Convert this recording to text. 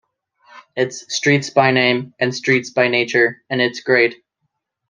It's Streets by name, and streets by nature, and it's great.